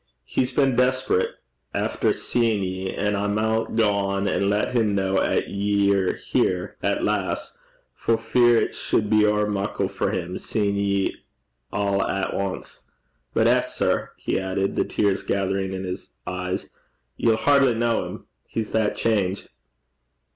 'He's been desperate efter seein' ye, and I maun gang an' lat him ken 'at ye're here at last, for fear it suld be ower muckle for him, seein' ye a' at ance. But eh, sir!' he added, the tears gathering in his eyes, 'ye'll hardly ken 'im. He's that changed!'